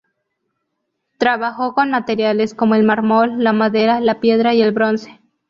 Trabajó con materiales como el mármol, la madera, la piedra y el bronce.